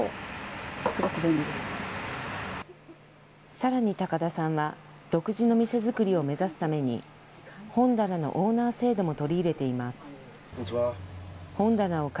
さらに高田さんは、独自の店づくりを目指すために、本棚のオーナー制度も取り入れています。